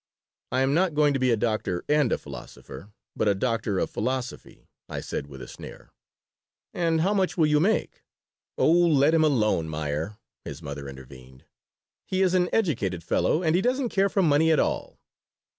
'" "I am not going to be a doctor and a philosopher, but a doctor of philosophy," I said, with a sneer "And how much will you make?" "Oh, let him alone, Meyer," his mother intervened. "He is an educated fellow, and he doesn't care for money at all."